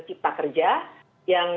cipta kerja yang